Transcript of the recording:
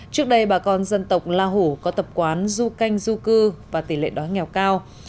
trước đây bà con dân tộc la hủ có tập quán du canh du cư và tỷ lệ đói nghèo cao